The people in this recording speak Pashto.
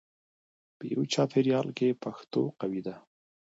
په یوه چاپېریال کې پښتو قوي ده.